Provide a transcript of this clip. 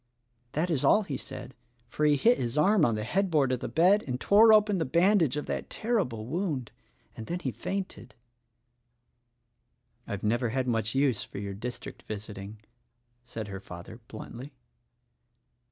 "That is all he said, for he hit his arm on the head board of the bed and tore open the bandage of that ter rible wound, and then he fainted." "I've never had much use for your district visiting," said her father bluntly.